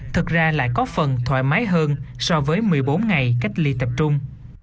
thật ra lại có phần thoải mái hơn so với một mươi bốn ngày cách ly tập trung